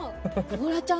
「ゴラちゃん」。